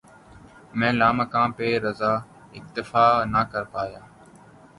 مَیں لامکاں پہ رضاؔ ، اکتفا نہ کر پایا